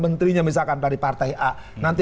menterinya misalkan dari partai a nanti